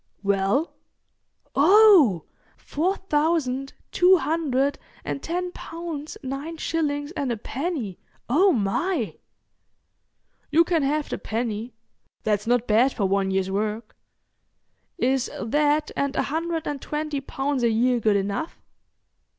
"Well?" "Oh! Four thousand two hundred and ten pounds nine shillings and a penny! Oh my!" "You can have the penny. That's not bad for one year's work. Is that and a hundred and twenty pounds a year good enough?"